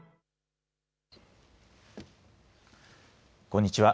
こんにちは。